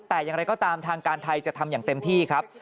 แต่อย่างไรก็ตามทางการไทยจะทำอย่างเต็มที่ครับ